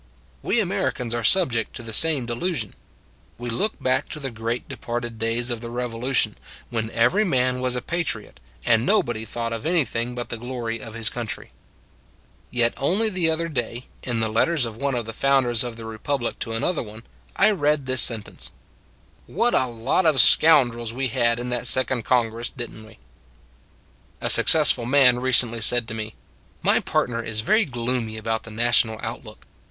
We Americans are subject to the same delusion. We look back to the great departed days of the Revolution, when every man was a patriot, and nobody thought of anything but the glory of his country. Yet only the other day, in the letters of one of the founders of the Republic to an other one, I read this sentence: " What a lot of scoundrels we had in that second Congress, did n t we? " A successful man recently said to me :" My partner is very gloomy about the national outlook.